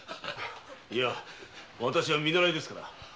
いやわたしは見習いですから。